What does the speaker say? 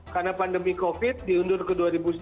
karena pandemi covid diundur ke dua ribu dua puluh satu